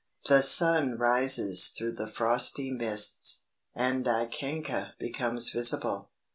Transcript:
The sun rises through the frosty mists, and Dikanka becomes visible.